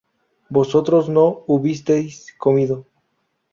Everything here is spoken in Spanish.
vosotros no hubisteis comido